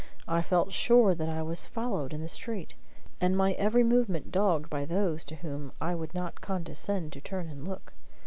I felt sure that I was followed in the street, and my every movement dogged by those to whom I would not condescend to turn and look.